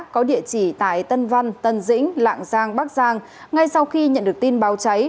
có địa chỉ tại tân văn tân dĩnh lạng giang bắc giang ngay sau khi nhận được tin báo cháy